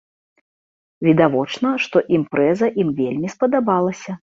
Відавочна, што імпрэза ім вельмі спадабалася.